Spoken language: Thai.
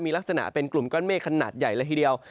มีลักษณะเป็นกลุ่มก้อนเมฆขนาดใหญ่เลยทีเดียว